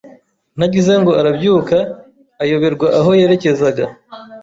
Ntagize ngo arabyuka, ayoberwa aho yerekezaga.